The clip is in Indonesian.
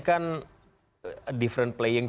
kan different playing